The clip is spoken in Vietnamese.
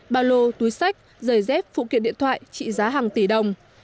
ba lô túi sách giày dép phụ kiện điện thoại trị giá hàng tỷ đồng